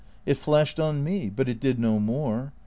It flashed on me. But it did no more.